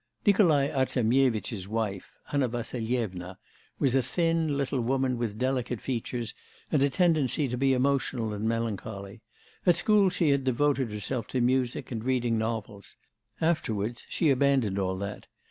Nikolai Artemyevitch's wife, Anna Vassilyevna, was a thin, little woman with delicate features, and a tendency to be emotional and melancholy. At school, she had devoted herself to music and reading novels; afterwards she abandoned all that.